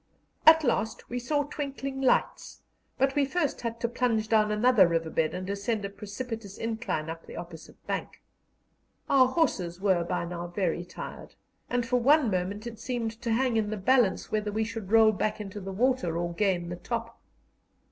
At last we saw twinkling lights, but we first had to plunge down another river bed and ascend a precipitous incline up the opposite bank. Our horses were by now very tired, and for one moment it seemed to hang in the balance whether we should roll back into the water or gain the top.